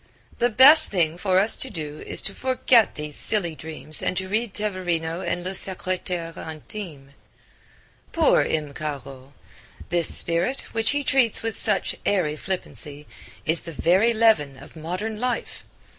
The best thing for us to do is to forget these silly dreams and to read Teverino and Le Secretaire Intime. Poor M. Caro! This spirit, which he treats with such airy flippancy, is the very leaven of modern life.